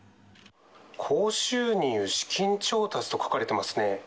高収入、資金調達と書かれていますね。